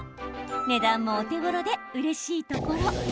値段もお手ごろでうれしいところ。